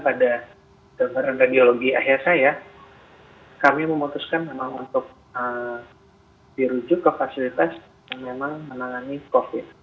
pada gambaran radiologi akhir saya kami memutuskan memang untuk dirujuk ke fasilitas yang memang menangani covid